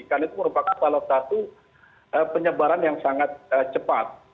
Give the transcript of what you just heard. karena itu merupakan salah satu penyebaran yang sangat cepat